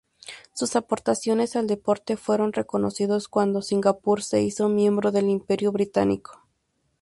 Sus aportaciones al deporte fueron reconocidas cuando Singapur se hizo miembro del Imperio Británico.